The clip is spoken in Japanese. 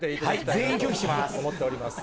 全員拒否します。